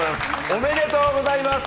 おめでとうございます！